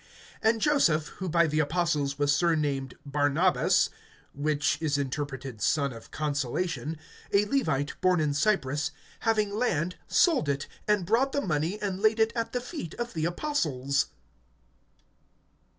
(36)And Joseph, who by the apostles was surnamed Barnabas (which is interpreted, Son of consolation), a Levite, born in Cyprus, (37)having land sold it, and brought the money, and laid it at the feet of the apostles.